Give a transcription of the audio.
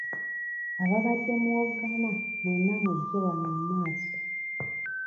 Ababadde muwoggana mwenna mujje wano mu maaso.